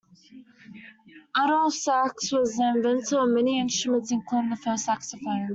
Adolph Sax was the inventor of many instruments including the first saxophones.